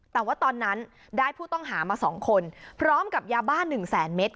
แต่ว่าตอนนั้นได้ผู้ต้องหามา๒คนพร้อมกับยาบ้า๑แสนเมตร